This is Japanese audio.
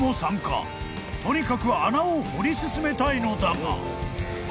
［とにかく穴を掘り進めたいのだが］